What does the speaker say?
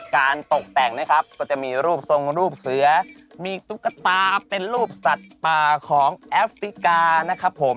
ตกแต่งนะครับก็จะมีรูปทรงรูปเสือมีตุ๊กตาเป็นรูปสัตว์ป่าของแอฟริกานะครับผม